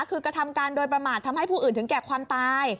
คือกระทำการโดยประมาททำให้ผู้อื่นถึงแก่ความตาย